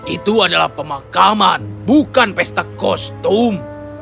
itu adalah pemakaman bukan pesta kostum